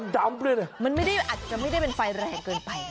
ลองมีถึงมีไม่ใช้ไฟแรงเกินไป